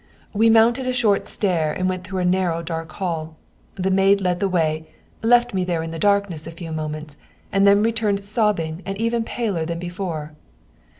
We mounted a short stair and went through a narrow, dark hall. The maid led the way, left me there in the darkness a few moments, and then returned sobbing and even paler than before.